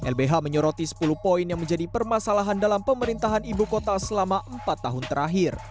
lbh menyoroti sepuluh poin yang menjadi permasalahan dalam pemerintahan ibu kota selama empat tahun terakhir